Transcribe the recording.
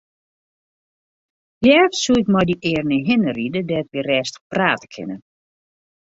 Leafst soe ik mei dy earne hinne ride dêr't wy rêstich prate kinne.